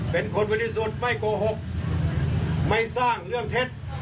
เป็นคนบริสุทธิ์ไม่โกหกไม่สร้างเรื่องเท็จ